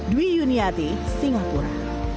dwi yuniati singapura